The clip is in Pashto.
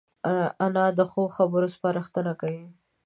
انا د ښو خبرو سپارښتنه کوي